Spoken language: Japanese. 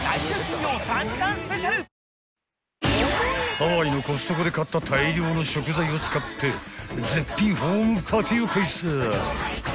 ［ハワイのコストコで買った大量の食材を使って絶品ホームパーティーを開催］